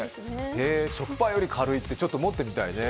食パンより軽いって、ちょっと持ってみたいね。